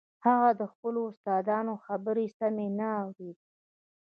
هغه د خپلو استادانو خبرې سمې نه اورېدې.